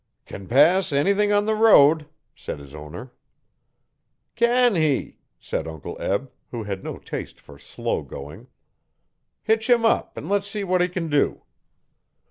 'Can pass anything on the road,' said his owner. 'Can he?' said Uncle Eb, who had no taste for slow going. 'Hitch him up an' le's see what he can do.'